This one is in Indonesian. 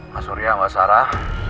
mas surya mbak sarah